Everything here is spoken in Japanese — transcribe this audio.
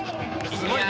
すごいね。